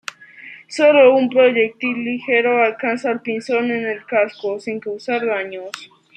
Sólo un proyectil ligero alcanzó al "Pinzón" en el casco, sin causar daños.